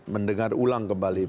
mendengar ulang kembali